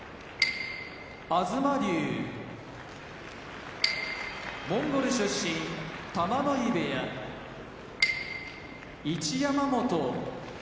東龍モンゴル出身玉ノ井部屋一山本北海道